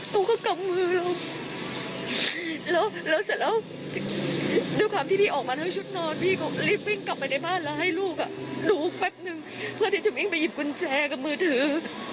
เขาก็กำมือแล้วเสร็จแล้วด้วยความที่พี่ออกมาด้วยชุดนอนพี่ก็รีบวิ่งกลับไปในบ้านแล้วให้ลูกดูแป๊บนึงเพื่อที่จะวิ่งไปหยิบกุญแจกับมือถือ